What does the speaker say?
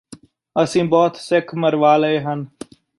ਅਸੀਂ ਬਹੁਤ ਸਿੱਖ ਮਰਵਾਂ ਲਏ ਹਨ